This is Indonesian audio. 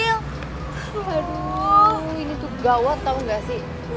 aduh ini tuh gawat tau gak sih